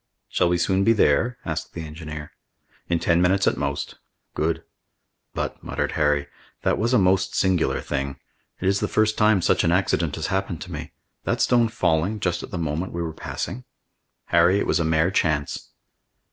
"Shall we soon be there?" asked the engineer. "In ten minutes at most." "Good." "But," muttered Harry, "that was a most singular thing. It is the first time such an accident has happened to me. "That stone falling just at the moment we were passing." "Harry, it was a mere chance."